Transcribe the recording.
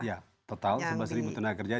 iya total sebelas tenaga kerja